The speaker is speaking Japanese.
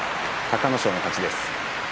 隆の勝の勝ちです。